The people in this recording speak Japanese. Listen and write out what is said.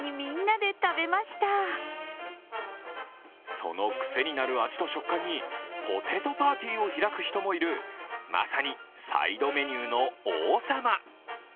その癖になる味と食感に、ポテトパーティーを開く人もいるまさにサイドメニューの王様。